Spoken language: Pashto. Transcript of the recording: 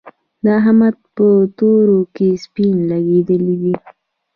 د احمد په تورو کې سپين لګېدلي دي.